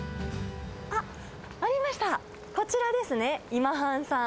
あっ、ありました、こちらですね、今半さん。